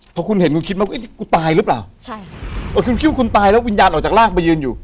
เพราะคุณเห็นคุณคิดมากว่ากูตายหรือเปล่าคิดว่าคุณตายแล้ววิญญาณออกจากรากไปยืนอยู่